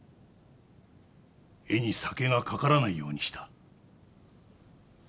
絵に酒がかからないようにした。